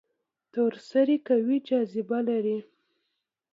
تور سوري قوي جاذبه لري.